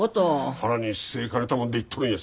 腹に据えかねたもんで言っとるんやさ。